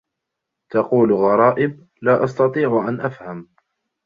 تقول غرائب، لا أستطيع أن أفهم.